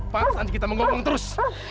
paksa kita menggonggong terus